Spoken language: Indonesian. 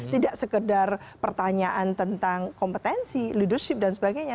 tidak sekedar pertanyaan tentang kompetensi leadership dan sebagainya